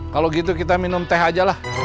kalau gitu kita minum teh aja lah